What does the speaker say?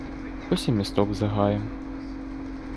Ось і місток за гаєм.